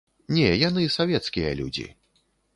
Не, яны савецкія людзі.